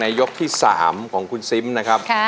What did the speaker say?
ในรับทิเชียร์ยกที่๓ของคุณซิมนะครับ